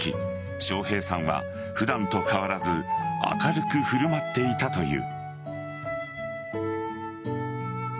笑瓶さんは普段と変わらず明るく振る舞っていたという。